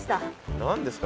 何ですか？